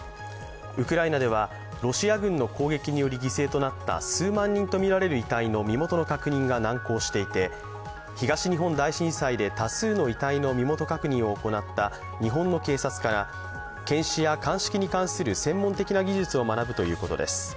ウクライナではロシア軍の攻撃により犠牲となった数万人とみられる遺体の身元の確認が難航していて東日本大震災で多数の遺体の身元確認を行った日本の警察から検視や鑑識に関する専門的な技術を学ぶということです。